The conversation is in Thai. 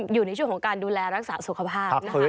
อยู่ในช่วงของการดูแลรักษาสุขภาพนะคะ